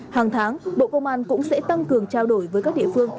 hàng tháng bộ công an cũng sẽ tăng cường trao đổi với các địa phương